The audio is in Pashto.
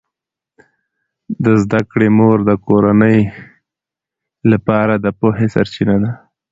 د زده کړې مور د کورنۍ لپاره د پوهې سرچینه ده.